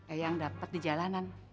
eyang dapet di jalanan